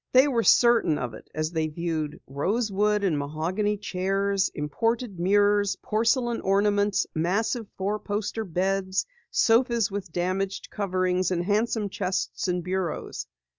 They were certain of it as they viewed rosewood and mahogany chairs, imported mirrors, porcelain ornaments, massive four poster beds, sofas with damaged coverings, and handsome chests and bureaus.